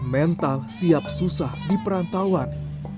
mental siap susah di perantauan